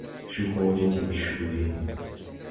Co hoole diŋ cuu nee.